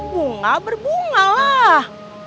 bunga berbunga lah